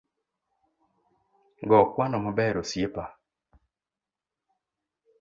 Go kwano maber osiepa